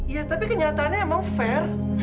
iya tapi kenyataannya emang fair